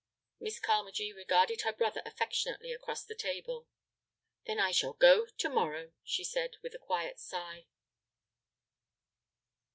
Miss Carmagee regarded her brother affectionately across the table. "Then I shall go to morrow," she said, with a quiet sigh.